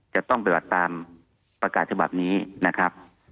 จะต้องปฏิบัติตามประกาศฉบับนี้นะครับ